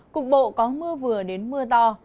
cục bộ có mưa vừa đến mưa to